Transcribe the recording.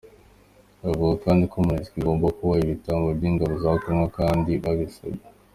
Avuga kandi ko Monusco igomba kubaha ibitambo by’ingabo za Congo kandi babibasabye.